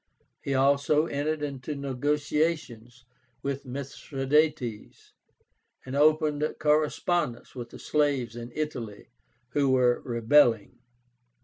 He also entered into negotiations with Mithradátes, and opened correspondence with the slaves in Italy, who were rebelling.